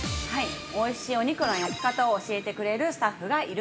◆おいしいお肉の焼き方を教えてくれるスタッフがいる。